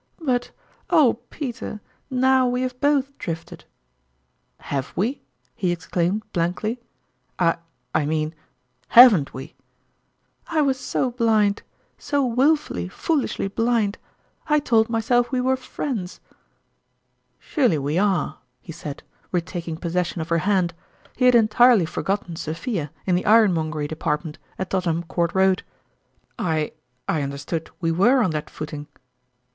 " But oh, Peter, now we have both drifted !"" Have we ?" he exclaimed, blankly. " I I mean haven't we !" "I was so blind so willfully, foolishly blind ! I told myself we were friends !"" Surely we are ?" he said retaking posses sion of her hand ; he had entirely forgotten Sophia in the ironmongery department, at Tottenham Court Road. " I I understood we were on that footing